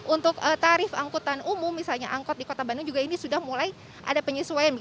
untuk tarif angkutan umum misalnya angkot di kota bandung juga ini sudah mulai ada penyesuaian